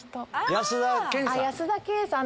安田顕さん。